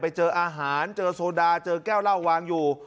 เจออาหารเจอโซดาเจอแก้วเหล้าวางอยู่